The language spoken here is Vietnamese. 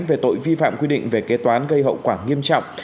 về tội vi phạm quy định về kế toán gây hậu quả nghiêm trọng